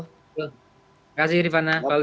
terima kasih rifana valdo